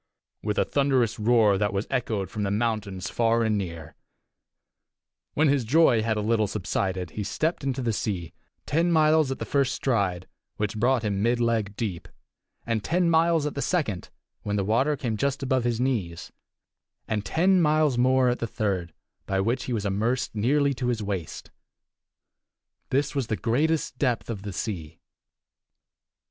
ho!" with a thunderous roar that was echoed from the mountains far and near. When his joy had a little subsided, he stepped into the sea ten miles at the first stride, which brought him mid leg deep; and ten miles at the second, when the water came just above his knees; and ten miles more at the third, by which he was immersed nearly to his waist. This was the greatest depth of the sea.